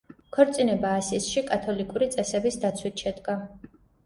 ქორწინება ასისში, კათოლიკური წესების დაცვით შედგა.